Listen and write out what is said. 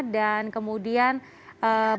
dan kemudian bagaimana